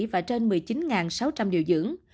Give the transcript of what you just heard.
và trên một mươi chín bệnh nhân